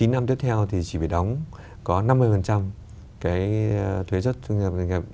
chín năm tiếp theo thì chỉ phải đóng có năm mươi cái thuế xuất thu nhập doanh nghiệp